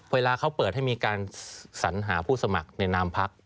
เวลาเขาเปิดให้มีการสัญหาผู้สมัครในนามพัก